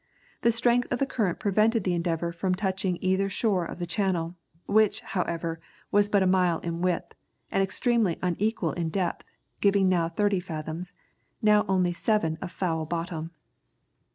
The strength of the current prevented the Endeavour from touching either shore of the channel, which, however, was but a mile in width, and extremely unequal in depth, giving now thirty fathoms, now only seven of foul bottom."